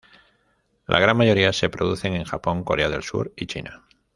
La gran mayoría se producen en Japón, Corea del Sur y China.